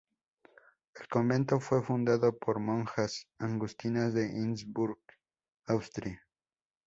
El convento fue fundado por monjas agustinas de Innsbruck, Austria.